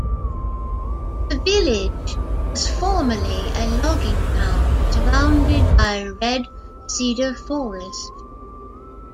The village was formerly a logging town, surrounded by red cedar forest.